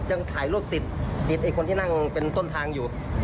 ยังถ่ายรูปติดติดไอ้คนที่นั่งเป็นต้นทางอยู่